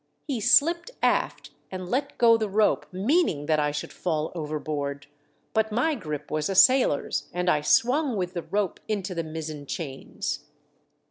He slipped aft and let go the rope, meaning that I should fall overboard, but my grip was a sailor's, and I swung with the rope into the mizzen chains."